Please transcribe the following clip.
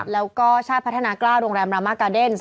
แล้วก็ชาติพัฒนากล้าโรงแรมรามากาเดนส